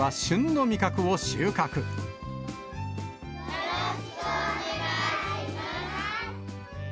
よろしくお願いします。